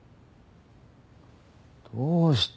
どうした？